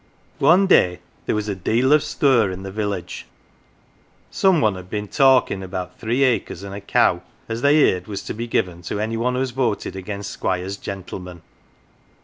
" One day there was a deal of stir in the village some one had been talkin' about three acres and a cow as they heerd was to be given to any one as voted against Squire's gentleman.